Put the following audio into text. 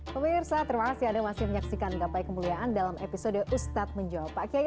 pemirsa terima kasih anda masih menyaksikan gapai kemuliaan dalam episode ustadz menjawab pak kiai